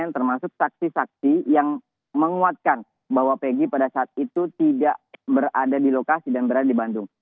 dan juga beberapa saksi saksi yang menguatkan bahwa pegi pada saat itu tidak berada di lokasi dan berada di bandung